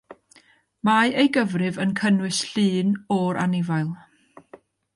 Mae ei gyfrif yn cynnwys llun o'r anifail.